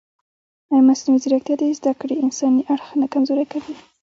ایا مصنوعي ځیرکتیا د زده کړې انساني اړخ نه کمزوری کوي؟